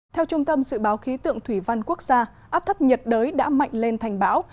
theo trung tâm dự báo khí tượng thủy văn quốc gia áp thấp nhiệt đới đã mạnh lên thành bão